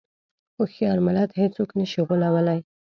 هوښیار ملت هېڅوک نه شي غولوی.